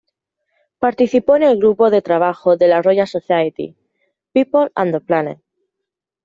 Participó en el grupo de trabajo de la Royal Society "People and the Planet".